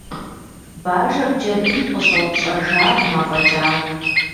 Бажэр джэдым къыщӏэупщӏэжакъым афӏэкӏа.